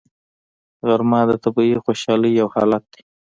غرمه د طبیعي خوشحالۍ یو حالت دی